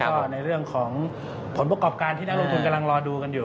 ก็ในเรื่องของผลประกอบการที่นักลงทุนกำลังรอดูกันอยู่